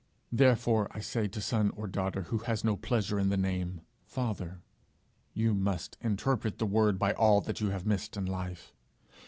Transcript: Therefore I say to son or daughter who has no pleasure in the name Father, 'You must interpret the word by all that you have missed in life.